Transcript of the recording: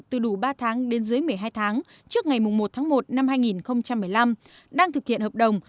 từ đủ ba tháng đến dưới một mươi hai tháng trước ngày một tháng một năm hai nghìn một mươi năm đang thực hiện hợp đồng